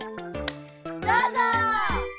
どうぞ！